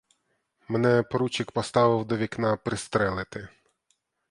Мене поручик поставив до вікна пристрелити.